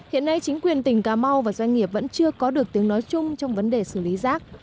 hiện nay chính quyền tỉnh cà mau và doanh nghiệp vẫn chưa có được tiếng nói chung trong vấn đề xử lý rác